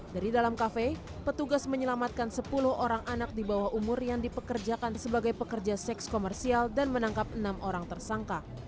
dari dalam kafe petugas menyelamatkan sepuluh orang anak di bawah umur yang dipekerjakan sebagai pekerja seks komersial dan menangkap enam orang tersangka